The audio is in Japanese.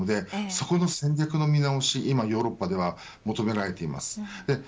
そこの戦略の見直しはヨーロッパでは求められています。